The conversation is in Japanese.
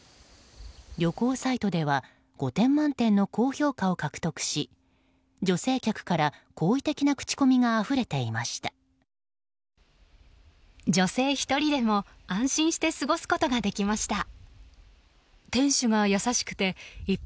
旅行サイトでは５点満点の高評価を獲得し女性客から好意的な口コミがあふれていました。